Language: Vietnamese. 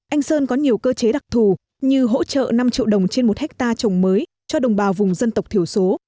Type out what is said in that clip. anh sơn có nhiều cơ chế đặc thù như hỗ trợ năm triệu đồng trên một hectare trồng mới cho đồng bào vùng dân tộc thiểu số